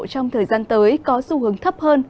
trong thời gian tới có xu hướng thấp hơn